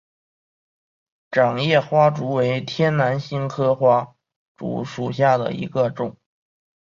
掌叶花烛为天南星科花烛属下的一个种。